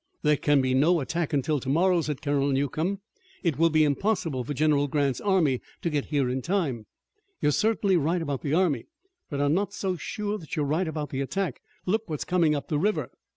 "There can be no attack until tomorrow," said Colonel Newcomb. "It will be impossible for General Grant's army to get here in time." "You are certainly right about the army, but I'm not so sure that you're right about the attack. Look what's coming up the river."